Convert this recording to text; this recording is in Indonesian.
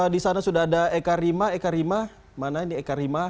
di sana sudah ada eka rima eka rima mana ini eka rima